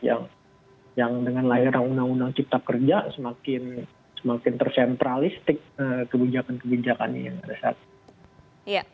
yang dengan lahirnya undang undang cipta kerja semakin tersentralistik kebijakan kebijakan yang ada saat ini